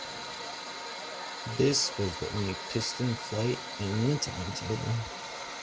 This was the only piston flight in the timetable.